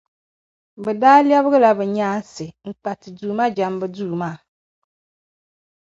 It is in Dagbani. Bɛ daa lɛbigila bɛ yaansi kpa Ti Duuma jɛmbu duu maa.